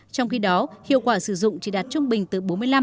trong khi đó hiệu quả sử dụng chỉ đạt trung bình từ bốn mươi năm năm mươi